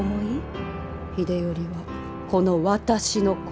秀頼はこの私の子。